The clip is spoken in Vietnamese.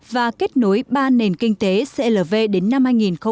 và kết nối ba nền kinh tế clv đến năm hai nghìn ba mươi